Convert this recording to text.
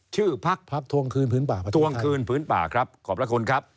ชื่อพักทวงคืนพื้นป่าขอบคุณครับ